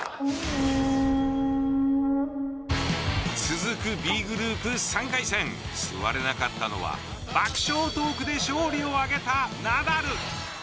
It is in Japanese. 続くＢグループ３回戦座れなかったのは爆笑トークで勝利を挙げたナダル。